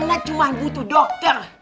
ana cuma butuh dokter